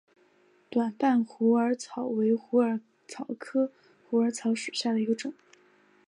短瓣虎耳草为虎耳草科虎耳草属下的一个种。